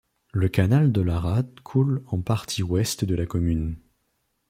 Le canal de l'Arrats coule en partie ouest de la commune.